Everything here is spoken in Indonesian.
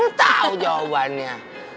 lo tau jawabannya